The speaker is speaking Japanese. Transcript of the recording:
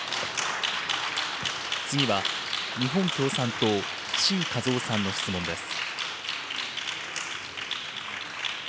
次は、日本共産党、志位和夫さんの質問です。